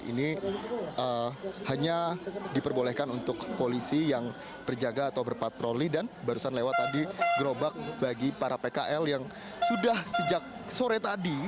ini hanya diperbolehkan untuk polisi yang terjaga atau berpatroli dan barusan lewat tadi gerobak bagi para pkl yang sudah sejak sore tadi